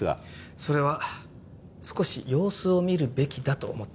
それは少し様子を見るべきだと思ったんです。